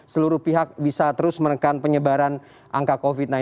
seluruh pihak bisa terus menekan penyebaran angka covid sembilan belas